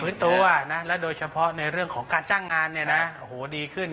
ฟื้นตัวจริงและโดยเฉพาะในเรื่องของการจ้างงานเนี่ยนะโหดีขึ้น